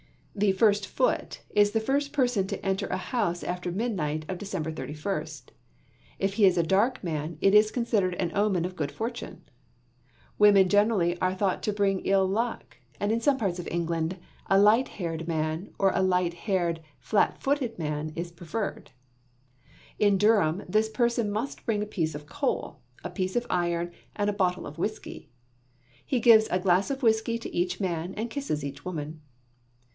The "first foot" is the first person to enter a house after midnight of December 31st. If he is a dark man, it is considered an omen of good fortune. Women generally are thought to bring ill luck, and in some parts of England a light haired man, or a light haired, flat footed man is preferred. In Durham, this person must bring a piece of coal, a piece of iron, and a bottle of whiskey. He gives a glass of whiskey to each man and kisses each woman.